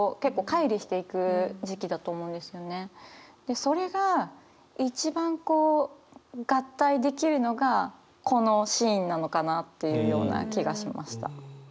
それが一番こう合体できるのがこのシーンなのかなっていうような気がしました。